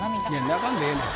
泣かんでええねん。